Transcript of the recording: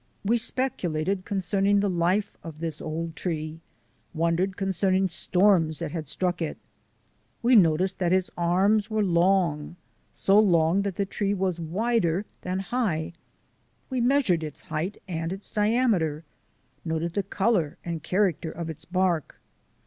We speculated concerning the life of this old tree; wondered concerning storms that had struck it. We noticed that its arms were long — so long that :\ i I CHILDREN OF MY TRAIL SCHOOL 161 the tree was wider than high; we measured its height and its diameter; noted the colour and character of its bark.